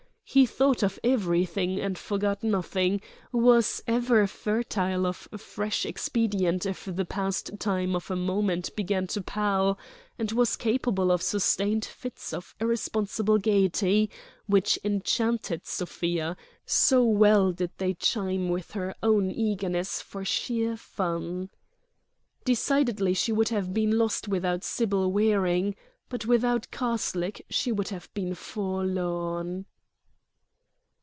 He thought of everything and forgot nothing, was ever fertile of fresh expedient if the pastime of a moment began to pall, and was capable of sustained fits of irresponsible gaiety which enchanted Sofia, so well did they chime with her own eagerness for sheer fun. Decidedly she would have been lost without Sybil Waring; but without Karslake she would have been forlorn.